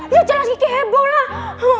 ya jangan kiki heboh lah